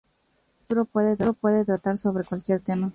Un libro puede tratar sobre cualquier tema.